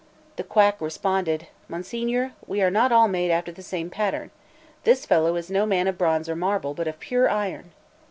The quack responded: "Monsignor, we are not all made after the same pattern; this fellow is no man of bronze or marble, but of pure iron."